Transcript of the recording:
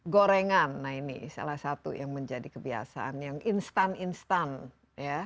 gorengan nah ini salah satu yang menjadi kebiasaan yang instan instan ya